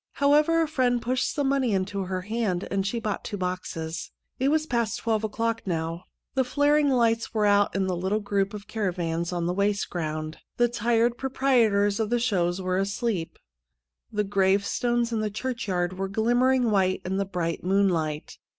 Howevei", a friend pushed some money into her hand, and she bought two boxes. X Si lt was past twelve o'clock now. The flaring lights were out in the little group of caravans on the waste ground. The tired pro prietors of the shows were asleep. The gravestones in. the churchyard were glimmering white in the bright moonlight.